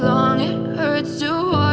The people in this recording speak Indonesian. banget sih terus ya